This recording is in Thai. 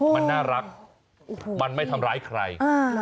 มันน่ารักมันไม่ทำร้ายใคร